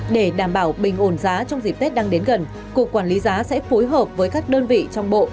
để đảm bảo bình ổn giá trong dịp tết đang đến gần cục quản lý giá sẽ phối hợp với các đơn vị trong bộ